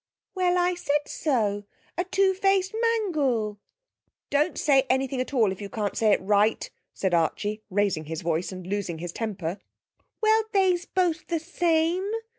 'Well, I said so; a two faced mangle.' 'Don't say anything at all if you can't say it right,' said Archie, raising his voice and losing his temper. 'Well, they's both the same.'